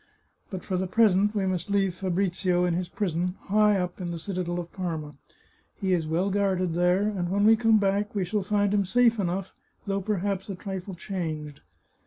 But for the present we must leave Fabrizio in his prison, high up in the citadel of Parma. He is well guarded there, and when we come back we shall find him safe enough, though perhaps a trifle changed.